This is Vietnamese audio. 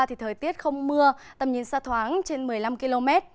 thì thời tiết không mưa tầm nhìn xa thoáng trên một mươi năm km